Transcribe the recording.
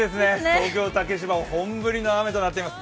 東京・竹芝は本降りの雨となっています。